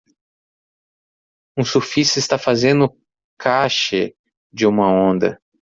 Um surfista está fazendo cache de uma onda.